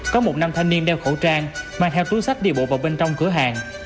có một nam thanh niên đeo khẩu trang mang theo túi sách đi bộ vào bên trong cửa hàng